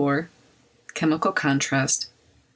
CHEMICAL CONTRAST. 491.